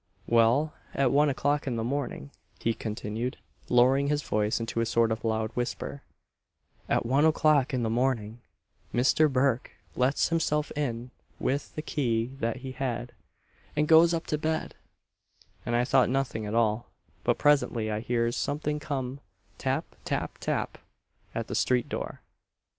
"Well, at one o'clock in the morning," he continued, lowering his voice into a sort of loud whisper; "at one o'clock in the morning, Misther Burke lets himself in with the key that he had, and goes up to bed and I thought nothing at all; but presently I hears something come, tap, tap, tap, at the street door.